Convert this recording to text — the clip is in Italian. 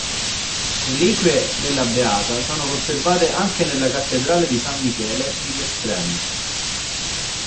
Reliquie della beata sono conservate anche nella Cattedrale di San Michele di Veszprém.